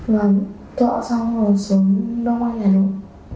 và tọa xong rồi xuống đông ngoài nhà rồi